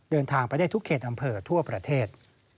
เดินทางไปได้ทุกเขตอำเภอทั่วประเทศ